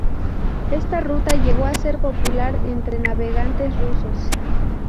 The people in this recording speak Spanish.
Esta ruta llegó a ser popular entre navegantes rusos.